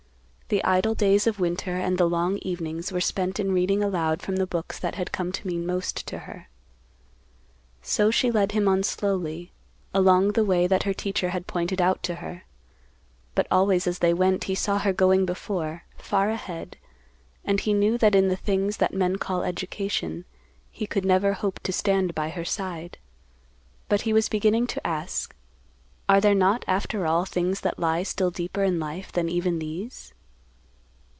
The idle days of winter and the long evenings were spent in reading aloud from the books that had come to mean most to her. So she led him on slowly, along the way that her teacher had pointed out to her, but always as they went, he saw her going before, far ahead, and he knew that in the things that men call education, he could never hope to stand by her side. But he was beginning to ask, are there not after all things that lie still deeper in life than even these?